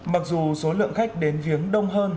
mặc dù số lượng khách đến viếng đông hơn